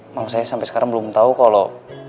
mama saya sampai sekarang belum tahu kalau